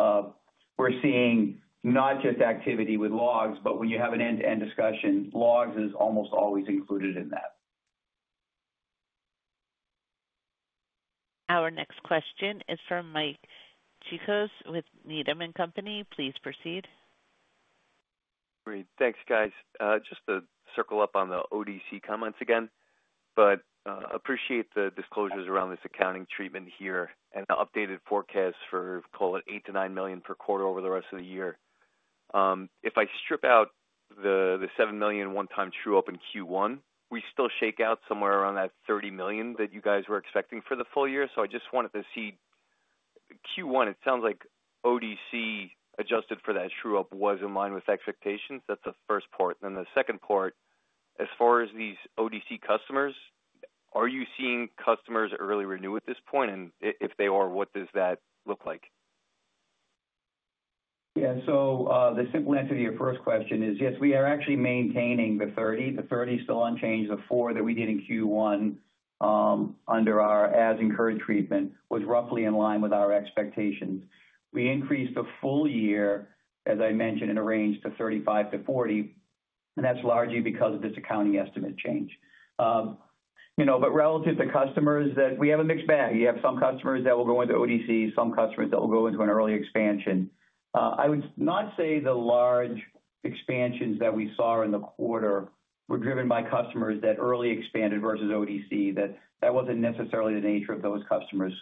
We're seeing not just activity with logs, but when you have an end-to-end discussion, logs is almost always included in that. Our next question is from Mike Cikos with Needham & Company. Please proceed. Great. Thanks guys. Just to circle up on the ODC comments again, appreciate the disclosures around this accounting treatment here and the updated forecast for, call it, $8 million-$9 million per quarter over the rest of the year. If I strip out the $7 million one-time true up in Q1, we still shake out somewhere around that $30 million that you guys were expecting for the full year. I just wanted to see Q1. It sounds like ODC adjusted for that true up was in line with expectations. That's the first part. The second part, as far as these ODC customers, are you seeing customers early renew at this point? If they are, what does that look like? Yeah. The simple answer to your first question is yes, we are actually maintaining the $30 million. The $30 million is still unchanged. The four that we did in Q1 under our as incurred treatment was roughly in line with our expectation. We increased the full year, as I mentioned, in a range to $35 million-$40 million, and that's largely because of this accounting estimate change. Relative to customers, we have a mixed bag. You have some customers that will go into ODC, some customers that will go into an early expansion. I would not say the large expansions that we saw in the quarter were driven by customers that early expanded versus ODC. That wasn't necessarily the nature of those customers.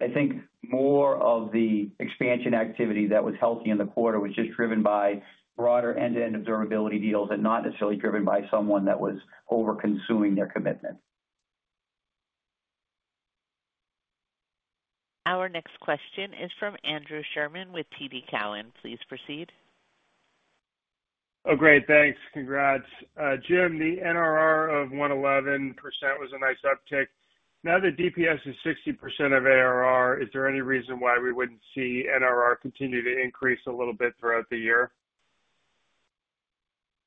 I think more of the expansion activity that was healthy in the quarter was just driven by broader end-to-end observability deals and not necessarily driven by someone that was over consuming their commitment. Our next question is from Andrew Sherman with TD Cowen. Please proceed. Oh great. Thanks. Congrats Jim. The NRR of 111% was a nice uptick. Now that DPS is 60% of ARR, is there any reason why we wouldn't see NRR continue to increase a little bit throughout the year?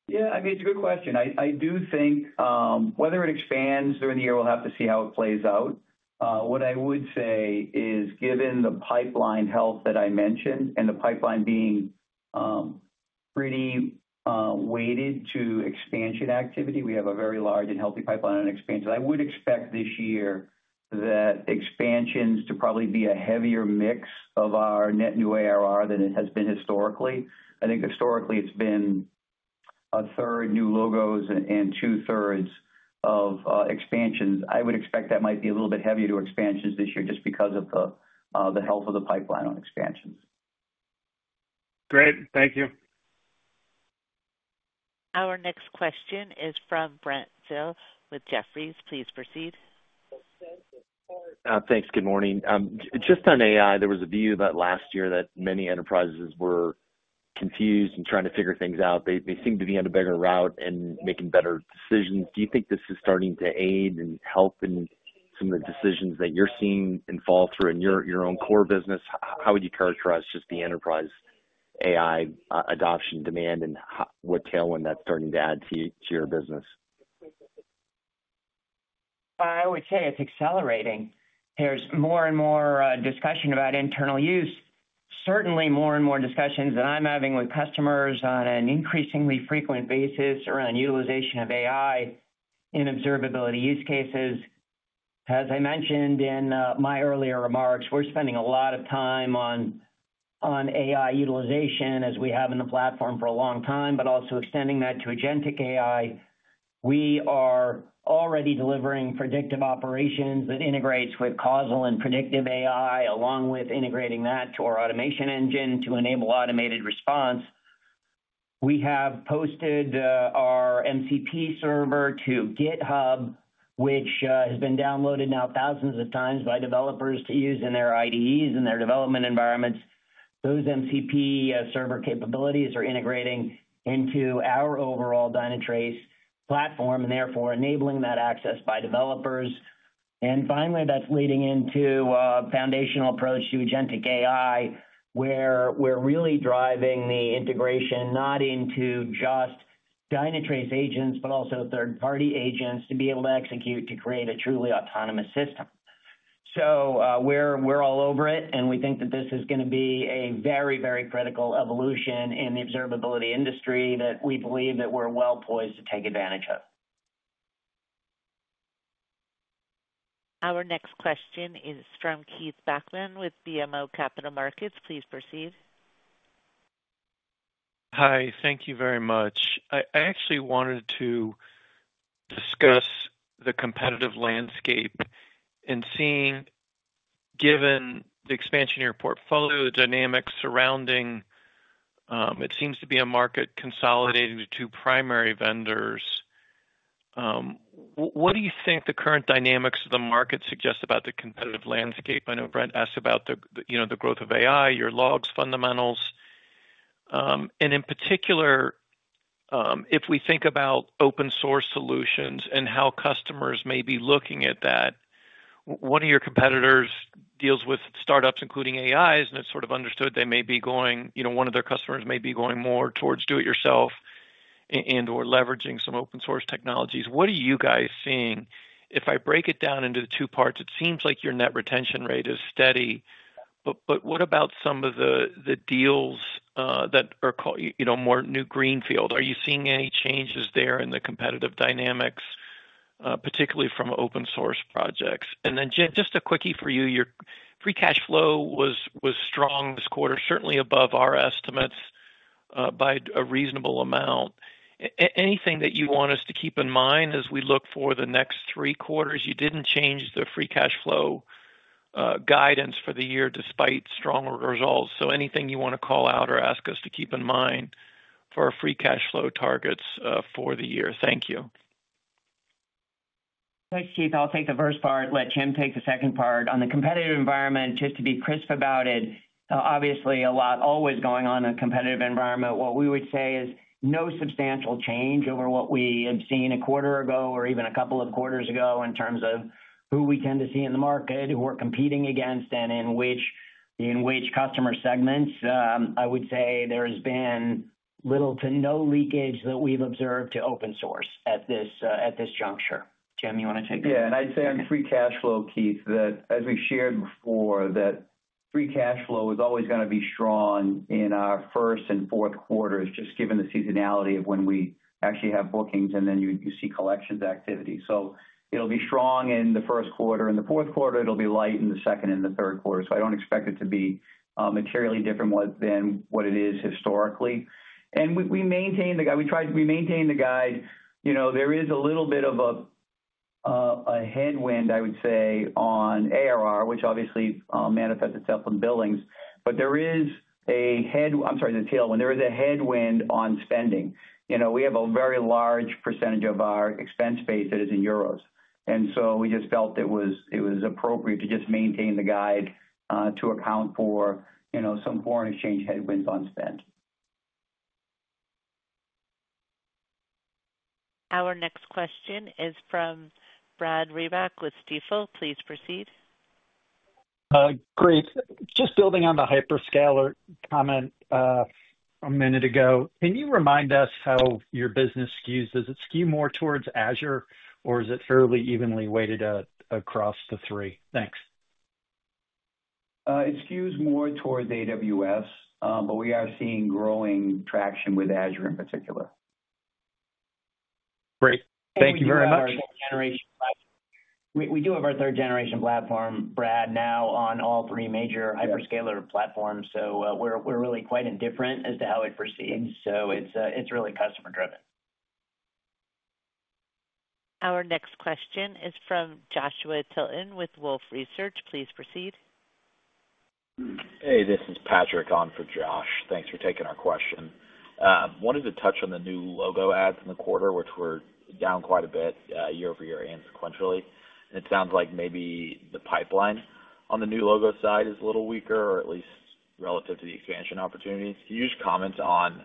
Yeah, I mean, it's a good question, I do think whether it expands during the year. We'll have to see how it plays out. What I would say is given the pipeline health that I mentioned and the pipeline being pretty weighted to expansion activity, we have a very large and healthy pipeline on expansion. I would expect this year that expansions to probably be a heavier mix of our net new ARR than it has been historically. I think historically it's been a third new logos and two thirds of expansions. I would expect that might be a little bit heavier to expansions this year just because of the health of the pipeline on expansions. Great, thank you. Our next question is from Brent Thill with Jefferies. Please proceed. Thanks. Good morning. Just on AI, there was a view that last year that many enterprises were confused and trying to figure things out. They seem to be on a bigger route and making better decisions. Do you think this is starting to aid and help in some of the decisions that you're seeing and fall through in your own core business? How would you characterize just the enterprise AI adoption demand and what tailwind that's starting to add to your business? I would say it's accelerating. There's more and more discussion about internal use, certainly more and more discussions that I'm having with customers on an increasingly frequent basis around utilization of AI in observability use cases. As I mentioned in my earlier remarks, we're spending a lot of time on AI utilization as we have in the platform for a long time, but also extending that to agentic AI. We are already delivering predictive operations that integrates with causal and predictive AI, along with integrating that to our automation engine to enable automated response. We have posted our MCP server to GitHub, which has been downloaded now thousands of times by developers to use in their IDEs and their development environments. Those MCP server capabilities are integrating into our overall Dynatrace platform and therefore enabling that access by developers. Finally, that's leading into foundational approach to Agentic AI where we're really driving the integration not into just Dynatrace agents, but also third party agents to be able to execute to create a truly autonomous system. We're all over it and we think that this is going to be a very, very critical evolution in the observability industry that we believe that we're well poised to take advantage. Our next question is from Keith Bachman with BMO Capital Markets. Please proceed. Hi. Thank you very much. I actually wanted to discuss the competitive landscape. Given the expansion of your portfolio, the dynamics surrounding it seem to be a market consolidating to two primary vendors. What do you think the current dynamics of the market suggest about the competitive landscape? I know Brent asks about the growth of AI, your logs, fundamentals, and in particular, if we think about open source solutions and how customers may be looking at that, one of your competitors deals with startups, including AIs, and it's sort of understood they may be going, you know, one of their customers may be going more towards do it yourself and or leveraging some open source technologies. What are you guys seeing? If I break it down into the two parts, it seems like your net retention rate is steady. What about some of the deals that are more new? Greenfield, are you seeing any changes there in the competitive dynamics, particularly from open source projects? Jen, just a quickie for you. Your free cash flow was strong this quarter, certainly above our estimates by a reasonable amount. Anything that you want us to keep in mind as we look for the next three quarters? You didn't change the free cash flow guidance for the year despite strong results. Anything you want to call out or ask us to keep in mind for our free cash flow targets for the year. Thank you. Thanks, Keith. I'll take the first part. Let Jim take the second part. On the competitive environment, just to be crisp about it, obviously a lot always going on in a competitive environment. What we would say is no substantial change over what we have seen a quarter ago or even a couple of quarters ago in terms of who we tend to see in the market, who we are competing against and in which customer segments. I would say there has been little to no leakage that we've observed to open source at this juncture. Jim, you want to take that? Yeah. I'd say on free cash flow, Keith, that as we've shared before, free cash flow is always going to be strong in our first and fourth quarters, just given the seasonality of when we actually have bookings and then you see collections activity. It'll be strong in the first quarter and the fourth quarter. It'll be light in the second and the third quarter. I don't expect it to be materially different than what it is historically. We maintain the guide. There is a little bit of a headwind, I would say, on ARR, which obviously manifests itself in billings, but there is a tailwind. There is a headwind on spending. We have a very large percentage of our expense base that is in euros, and we just felt it was appropriate to just maintain the guide to account for some foreign exchange headwinds on spend. Our next question is from Brad Reback with Stifel. Please proceed. Great. Just building on the hyperscaler comment a minute ago, can you remind us how your business skews? Does it skew more towards Azure or is it fairly evenly weighted across the three? Thanks. It skews more towards AWS, but we are seeing growing traction with Azure in particular. Great, thank you very much. We do have our third generation platform, Brad, now on all three major hyperscaler platforms. We're really quite indifferent as to how it proceeds. It's really customer driven. Our next question is from Joshua Tilton with Wolfe Research. Please proceed. Hey, this is Patrick on for Josh. Thanks for taking our question. Wanted to touch on the new logo ads in the quarter which were down quite a bit year over year and sequentially. It sounds like maybe the pipeline on the new logo side is a little weaker or at least relative to the expansion opportunities. Can you just comment on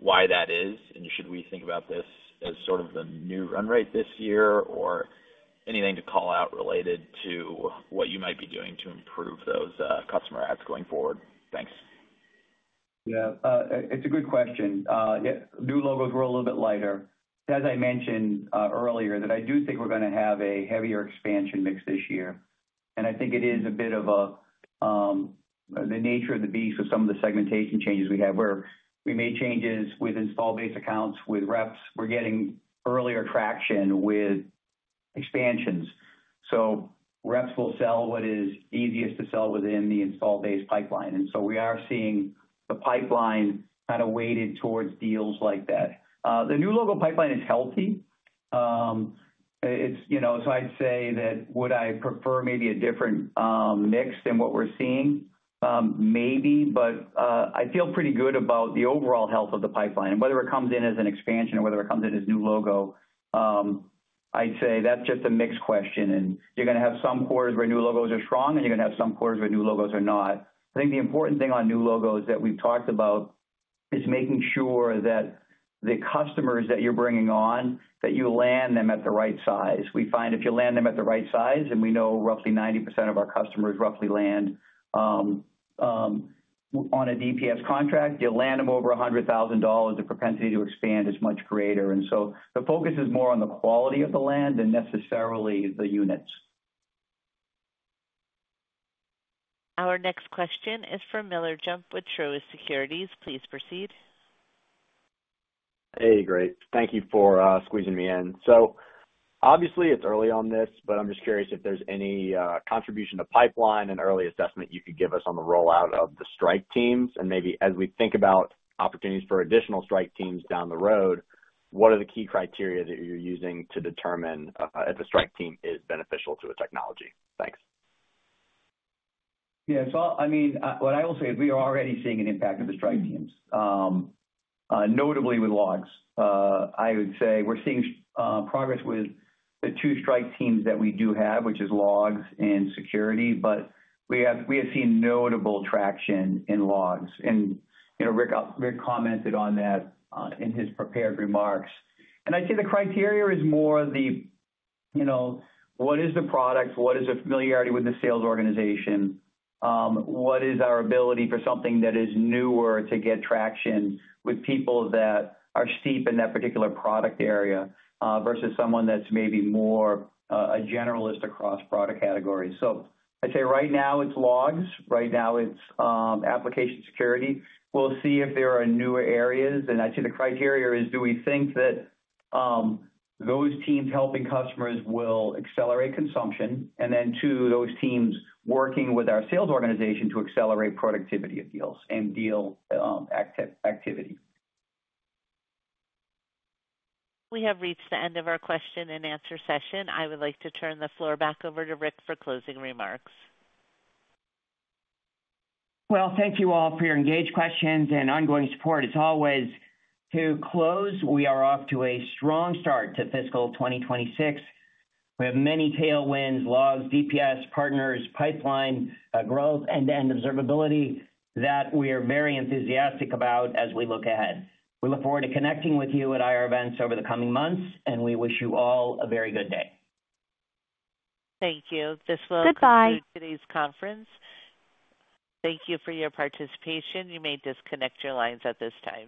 why that is and should we think about this as sort of the new run rate this year or anything to call out related to what you might be doing to improve those customer ads going forward? Thanks. Yeah, it's a good question. New logos were a little bit lighter as I mentioned earlier.I do think we're going to have a heavier expansion mix this year and I think it is a bit of the nature of the beast of some of the segmentation changes we have where we made changes with install base accounts with reps, we're getting earlier traction with expansions. Reps will sell what is easiest to sell within the install base pipeline. We are seeing the pipeline kind of weighted towards deals like that. The new logo pipeline is healthy. I'd say that would I prefer maybe a different mix than what we're seeing? Maybe. I feel pretty good about the overall health of the pipeline and whether it comes in as an expansion or whether it comes in as new logo. I'd say that's just a mix question. You're going to have some quarters where new logos are strong and you're going to have some quarters where new logos are not. I think the important thing on new logos that we've talked about is making sure that the customers that you're bringing on, that you land them at the right size. We find if you land them at the right size, and we know roughly 90% of our customers roughly land on a DPS contract, you land them over $100,000. The propensity to expand is much greater. The focus is more on the quality of the land and necessarily, necessarily the units. Our next question is from Miller Jump with Truist Securities. Please proceed. Hey, great. Thank you for squeezing me in. Obviously it's early on this, but I'm just curious if there's any contribution to pipeline and early assessment you could give us on the rollout of the strike teams. Maybe as we think about opportunities for additional strike teams down the road, what are the key criteria that you're using to determine if a strike team is beneficial to a technology? Thanks. Yeah, what I will say is we are already seeing an impact of the strike teams, notably with logs. I would say we're seeing progress with the two strike teams that we do have, which is logs and security. We have seen notable traction in logs. Rick commented on that in his prepared remarks. I'd say the criteria is more the, you know, what is the product? What is the familiarity with the sales organization? What is our ability for something that is newer to get traction with people that are steep in that particular product area versus someone that's maybe more a generalist across product categories. I'd say right now it's logs. Right now it's application security. We'll see if there are newer areas. I'd say the criteria is, do we think that those teams helping customers will accelerate consumption? Then to those teams working with our sales organization to accelerate productivity of deals and deal activity. We have reached the end of our question-and-answer session. I would like to turn the floor back over to Rick for closing remarks. Thank you all for your engaged questions and ongoing support. It's always to close. We are off to a strong start to fiscal 2026. We have many tailwinds, logs, DPS partners, pipeline growth, and end observability that we are very enthusiastic about as we look ahead. We look forward to connecting with you at IR events over the coming months and we wish you all a very good day. Thank you. This will conclude today's conference. Thank you for your participation. You may disconnect your lines at this time.